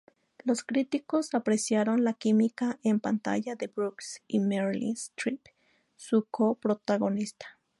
Los críticos apreciaron la química en pantalla de Brooks y Meryl Streep, su co-protagonista.